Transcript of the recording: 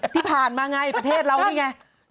ที่ผ่านมาไงประเทศเรานี่ไง